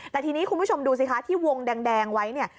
แต่ทีนี้คุณผู้ชมดูสิคะที่วงแดงไว้เนี่ย